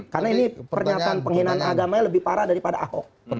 karena ini pernyataan penghinaan agamanya lebih parah daripada ahok